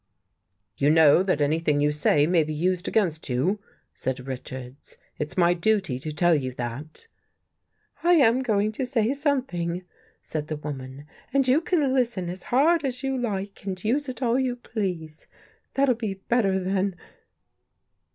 You know that anything you say may be used against you? " said Richards. " It's my duty to tell you that." " I am going to say something," said the woman, " and you can listen as hard as you like and use it all you please. That'll be better than.